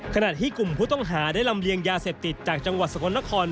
ขณะที่กลุ่มผู้ต้องหาได้ลำเลียงยาเสพติดจากจังหวัดสกลนคร